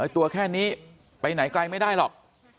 ตัวแค่นี้ไปไหนไกลไม่ได้หรอก